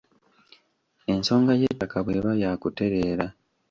Ensonga y'ettaka bw'eba yaakutereera